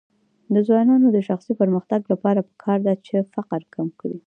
د ځوانانو د شخصي پرمختګ لپاره پکار ده چې فقر کم کړي.